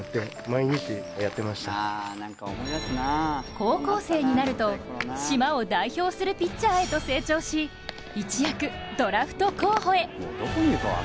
高校生になると島を代表するピッチャーへと成長し一躍、ドラフト候補へ。